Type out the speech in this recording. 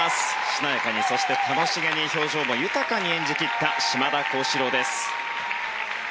しなやかに、楽しげに表情豊かに演じ切った、島田高志郎です。